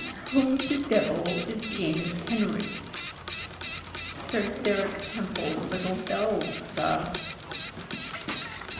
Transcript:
"Who the devil is James Henry ?" "Sir Derek Temple's little dawg, sir."